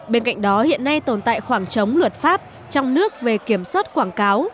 bên cạnh đó hiện nay tồn tại khoảng trống luật pháp trong nước về kiểm soát quảng cáo